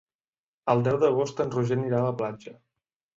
El deu d'agost en Roger anirà a la platja.